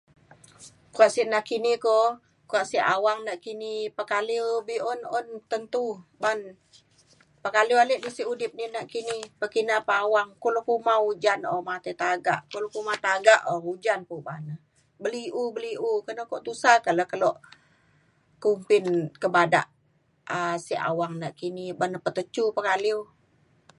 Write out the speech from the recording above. kuak sik na kini ku, kuak sik awang na kini pekaliu be'un un tentu ban pekaliu alik ne sik udip ni nakini pakina pe awang. ku le kuma ojan no'o tai tagak, oka le kuma tagak o ojan pe uban. beli'u beli'u keno to' tusa na kelok kumpin ke badak um sik awang na kini ban e petecu paliu